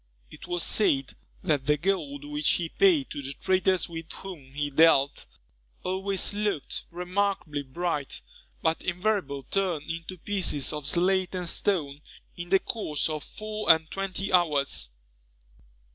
It was said, that the gold which he paid to the traders with whom he dealt, always looked remarkably bright, but invariably turned into pieces of slate and stone in the course of four and twenty hours.